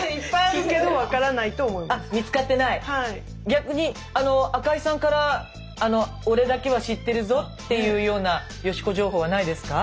逆に赤井さんから俺だけは知ってるぞっていうような佳子情報はないですか？